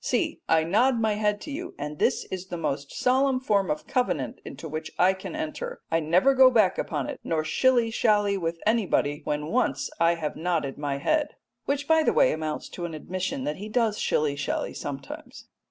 See, I nod my head to you, and this is the most solemn form of covenant into which I can enter. I never go back upon it, nor shilly shally with anybody when I have once nodded my head." Which, by the way, amounts to an admission that he does shilly shally sometimes.